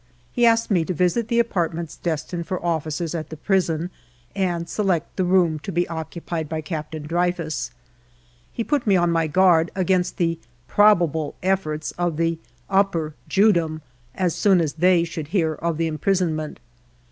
He asked me to visit the apart ments destined for officers at the prison, and select the room to be occupied by Captain Dreyfus. He put me on my guard against the probable efforts of the " upper Jewdom " as soon as they should hear of the imprison ment.